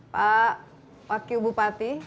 pak wakil bupati